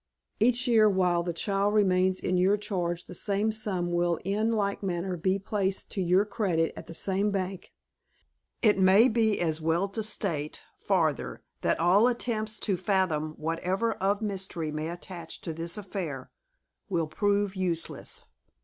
Each year, while the child remains in your charge, the same sum will in like manner be placed to your credit at the same bank It may be as well to state, farther, that all attempts to fathom whatever of mystery may attach to this affair, will prove useless."